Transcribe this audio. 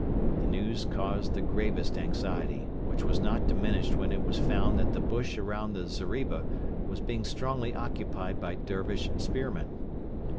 The news caused the gravest anxiety, which was not diminished when it was found that the bush around the zeriba was being strongly occupied by Dervish spearmen.